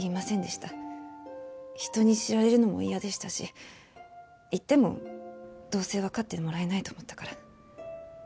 人に知られるのも嫌でしたし言ってもどうせわかってもらえないと思ったから。